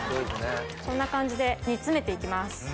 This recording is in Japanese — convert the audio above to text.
こんな感じで煮詰めて行きます。